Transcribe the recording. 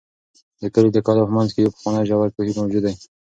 د کلي د کلا په منځ کې یو پخوانی ژور کوهی موجود دی.